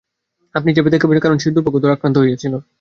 আপনি জেফের দেখা পেয়েছেন কারণ সে দুর্ভাগ্য দ্বারা আক্রান্ত হয়েছিল।